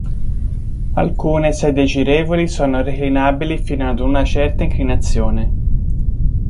Alcune sedie girevoli sono reclinabili fino ad una certa inclinazione.